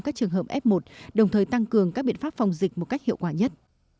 các trường hợp f một đồng thời tăng cường các biện pháp phòng dịch một cách hiệu quả nhất